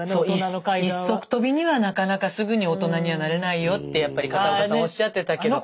一足飛びにはなかなかすぐに大人にはなれないよってやっぱり片岡さんおっしゃってたけど。